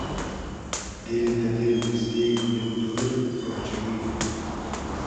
دیل دۂ دیل نیزدیگ و مۉ دور اۉجئگون